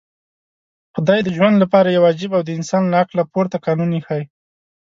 خدای د ژوند لپاره يو عجيب او د انسان له عقله پورته قانون ايښی.